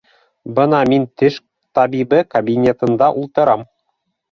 Бына мин теш табибы кабинетында ултырам.